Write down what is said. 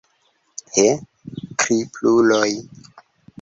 He, kripluloj!